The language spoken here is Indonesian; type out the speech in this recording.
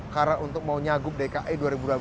karena untuk mau nyagup dki dua ribu dua belas